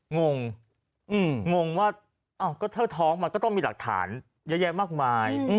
งงงงงว่าก็ถ้าท้องมันก็ต้องมีหลักฐานเยอะแยะมากมาย